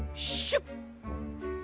シュッ！